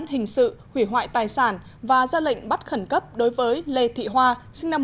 có vụ án hình sự hủy hoại tài sản và ra lệnh bắt khẩn cấp đối với lê thị hoa sinh năm một nghìn chín trăm tám mươi sáu